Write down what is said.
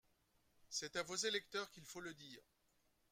C’est à vos électeurs qu’il faut le dire